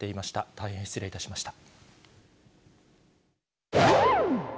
大変失礼いたしました。